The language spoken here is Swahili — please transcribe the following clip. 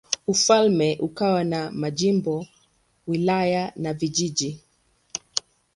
Ufalme ukawa na majimbo, wilaya na vijiji.